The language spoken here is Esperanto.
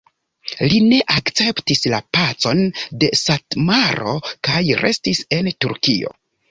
Li ne akceptis la pacon de Satmaro kaj restis en Turkio.